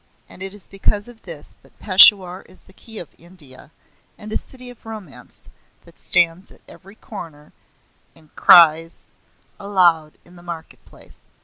And it is because of this that Peshawar is the Key of India, and a city of Romance that stands at every corner, and cries aloud in the market place.